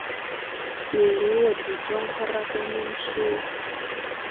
Weere wɔ de joŋ hragge nencee.